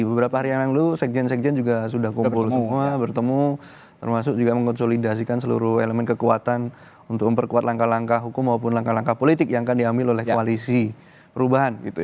beberapa hari yang lalu sekjen sekjen juga sudah kumpul semua bertemu termasuk juga mengkonsolidasikan seluruh elemen kekuatan untuk memperkuat langkah langkah hukum maupun langkah langkah politik yang akan diambil oleh koalisi perubahan